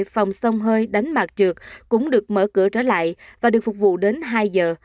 một phòng sông hơi đánh mạc trượt cũng được mở cửa trở lại và được phục vụ đến hai giờ